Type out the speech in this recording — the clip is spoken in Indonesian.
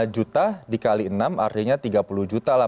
lima juta dikali enam artinya tiga puluh juta lah